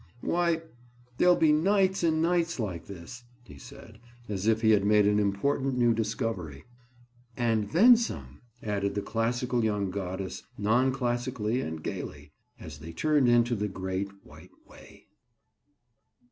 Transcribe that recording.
"Why, there'll be nights and nights like this," he said, as if he had made an important new discovery. "And 'then some'!" added the classical young goddess non classically and gaily, as they turned into the Great White Way.